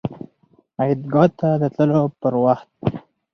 عیدګاه ته د تللو پر وخت